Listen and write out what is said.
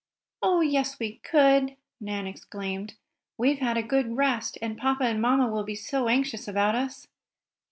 "Oh, yes, we could!" Nan exclaimed. "We've had a good rest, and papa and mamma will be so anxious about us!"